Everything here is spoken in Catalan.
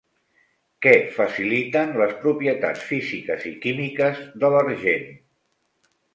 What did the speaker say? Què faciliten les propietats físiques i químiques de l'argent?